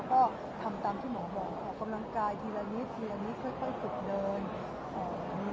ทำตามที่หมอบอกกำลังกายทีละนิดเร็วค่อยขึ้นเดิน